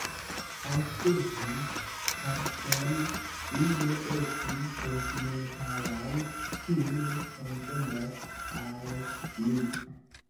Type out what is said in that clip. Aŭskultu, Karsten, ni ne estu sentimentalaj; tio ne konvenas al ni.